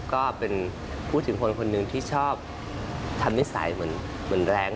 ก็เป็นพูดถึงคนคนหนึ่งที่ชอบทำนิสัยเหมือนแรง